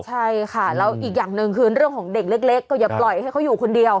ใช่ค่ะแล้วอีกอย่างหนึ่งคือเรื่องของเด็กเล็กก็อย่าปล่อยให้เขาอยู่คนเดียว